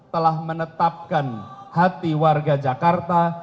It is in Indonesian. telah menetapkan hati warga jakarta